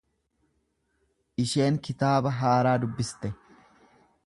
Isheen kitaaba haaraa dubbiste.